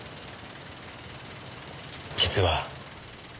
実は。